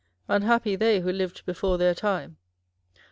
Un happy they who lived before their time